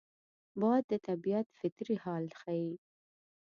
باد د طبیعت فطري حال ښيي